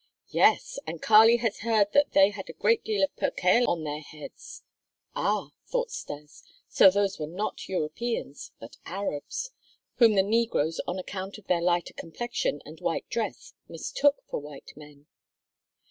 "Yes, and Kali has heard that they had a great deal of percale on their heads." "Ah!" thought Stas, "so those were not Europeans, but Arabs, whom the negroes on account of their lighter complexion and white dress mistook for white men."